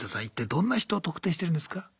一体どんな人を「特定」してるんですか？